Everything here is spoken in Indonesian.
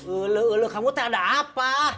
ulu ulu kamu tak ada apa